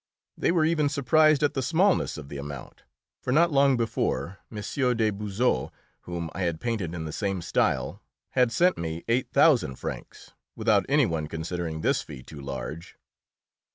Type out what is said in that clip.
They were even surprised at the smallness of the amount, for not long before, M. de Beaujon, whom I had painted in the same style, had sent me eight thousand francs, without any one considering this fee too large.